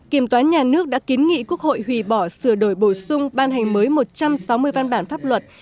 kiểm toán nhà nước đã kiến nghị quốc hội hủy bỏ sửa đổi bổ sung ban hành mới một trăm sáu mươi văn bản pháp luật